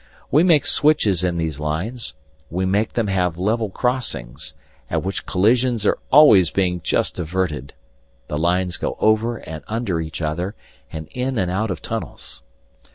We make switches in these lines; we make them have level crossings, at which collisions are always being just averted; the lines go over and under each other, and in and out of tunnels.